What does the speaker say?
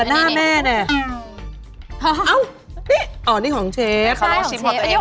ค่าเต็มเดี๋ยวลองชิมดู